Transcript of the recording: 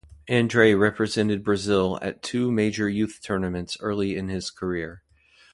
Andrei represented Brazil at two major youth tournaments early in his career.